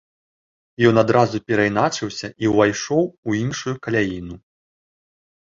Ён адразу перайначыўся і ўвайшоў у іншую каляіну.